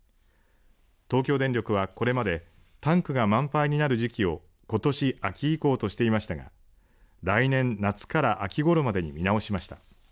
東京電力は、これまでタンクが満杯になる時期をことし秋以降としていましたが来年夏から秋ごろまでに見直しました。